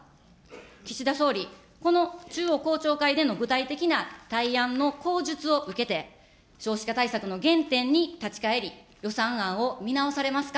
岸田総理、この中央公聴会での具体的な対案の公述を受けて、少子化対策の原点に立ち返り、予算案を見直されますか。